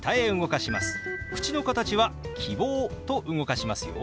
口の形は「キボー」と動かしますよ。